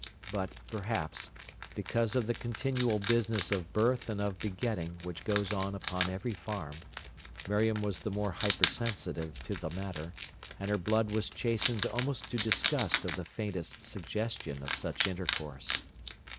But, perhaps, because of the continual business of birth and of begetting which goes on upon every farm, Miriam was the more hypersensitive to the matter, and her blood was chastened almost to disgust of the faintest suggestion of such intercourse.